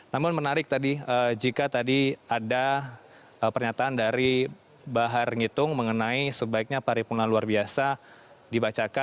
namun menarik tadi jika tadi ada pernyataan dari bahar ngitung mengenai sebaiknya paripurna luar biasa